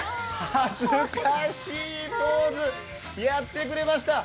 恥ずかしいポーズ、やってくれました。